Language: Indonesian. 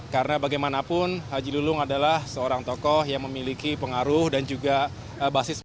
karena bagaimanapun haji lulung adalah seorang tokoh yang memiliki pengaruh dan juga basis